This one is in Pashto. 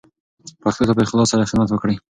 پښتو ته په اخلاص سره خدمت وکړئ.